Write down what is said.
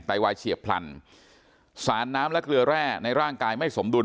ไวเฉียบพลันสารน้ำและเกลือแร่ในร่างกายไม่สมดุล